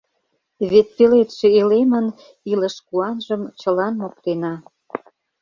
Вет пеледше элемын Илыш куанжым чылан моктена.